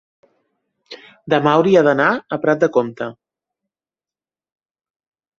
demà hauria d'anar a Prat de Comte.